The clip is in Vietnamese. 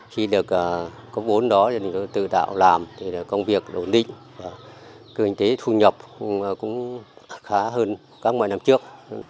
khi được có vốn đó gia đình tôi tự tạo làm thì là công việc ổn định và kinh tế thu nhập cũng khá hơn các mọi năm trước